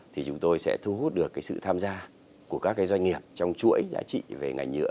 thì chúng tôi sẽ thu hút được sự tham gia của các doanh nghiệp trong chuỗi giá trị về ngành nhựa